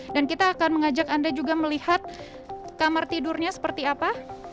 kita akan mengajak anda juga melihat kamar tidurnya seperti apa